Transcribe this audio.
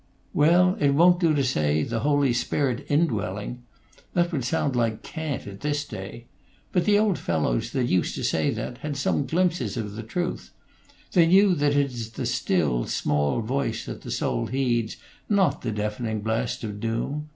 "Well, it won't do to say, the Holy Spirit indwelling. That would sound like cant at this day. But the old fellows that used to say that had some glimpses of the truth. They knew that it is the still, small voice that the soul heeds, not the deafening blasts of doom.